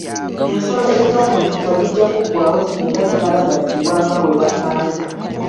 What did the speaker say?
Ensolo ez'omu nsiko zijja kuggwawo singa zimala gattibwa nga bwe basanze.